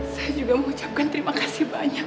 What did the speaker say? saya juga mengucapkan terima kasih banyak